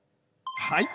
はい！